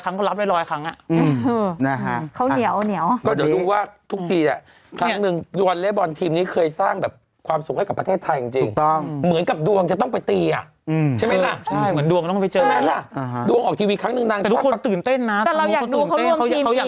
น่าคือตีกันมาก่อนแล้วใช่ไหมครับ